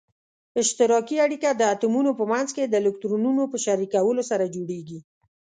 اشتراکي اړیکه د اتومونو په منځ کې د الکترونونو په شریکولو سره جوړیږي.